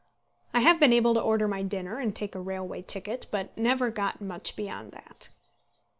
I have been able to order my dinner and take a railway ticket, but never got much beyond that.